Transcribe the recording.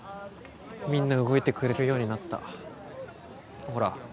みんな動いてくれるようになったほら